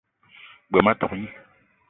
G-beu ma tok gni.